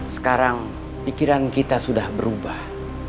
sekarang pikiran kita sudah berubah